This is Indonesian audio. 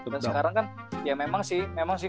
dan sekarang kan ya memang sih